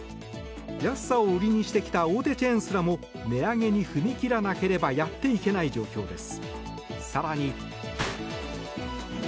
安さを売りにしてきた大手チェーンすらも値上げに踏み切らなければやっていけない状況です。